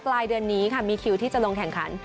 ปลายเดือนนี้ค่ะมีคิวที่จะลงแข่งขัน